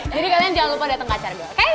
jadi kalian jangan lupa dateng ke acara gue oke